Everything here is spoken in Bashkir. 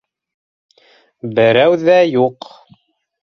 Берәү ҙә юҡ.